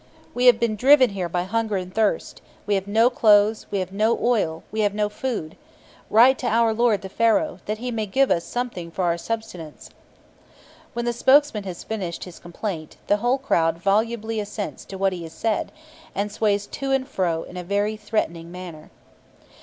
"We have been driven here by hunger and thirst; we have no clothes, we have no oil, we have no food. Write to our lord the Pharaoh, that he may give us something for our sustenance." When the spokesman has finished his complaint, the whole crowd volubly assents to what he has said, and sways to and fro in a very threatening manner.